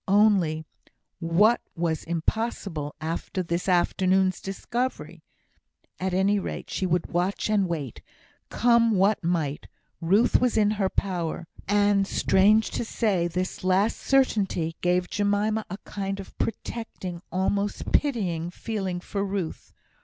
Only, what was impossible after this afternoon's discovery? At any rate, she would watch and wait. Come what might, Ruth was in her power. And, strange to say, this last certainty gave Jemima a kind of protecting, almost pitying, feeling for Ruth.